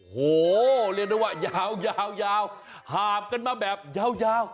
โหเรียกได้ว่ายาวหาบกันมาแบบยาว